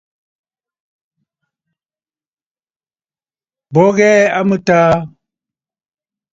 Bo ghɛɛ a mɨtaa.